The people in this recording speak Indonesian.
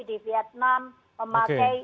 di vietnam memakai